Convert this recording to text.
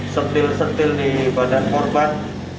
setil setil di badan korban